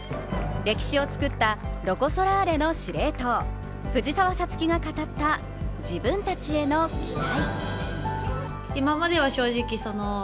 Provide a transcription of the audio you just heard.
歴史を作ったロコ・ソラーレの司令塔、藤澤五月が語った自分たちへの期待。